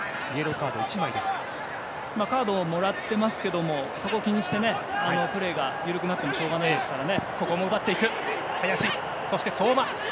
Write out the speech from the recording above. カードをもらってますがそこを気にしてプレーが緩くなってもしょうがないですからね。